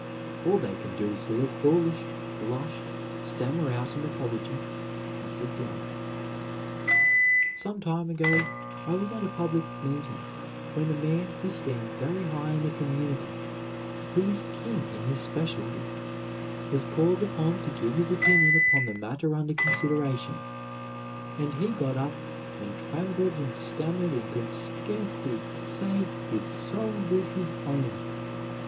All they can do is to look foolish, blush, stammer out an apology and sit down. Some time ago I was at a public meeting when a man who stands very high in the community, who is king in his specialty, was called upon to give his opinion upon the matter under consideration, and he got up and trembled and stammered and could scarcely say his soul was his own.